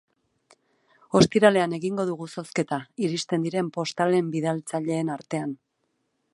Ostiralean egingo dugu zozketa, iristen diren postalen bidaltzaileen artean.